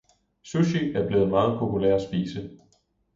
Sushi er blevet en meget populær spise.